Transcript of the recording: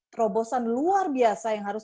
terobosan luar biasa yang harus